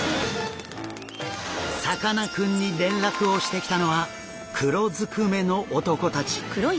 さかなクンに連絡をしてきたのは黒ずくめの男たち。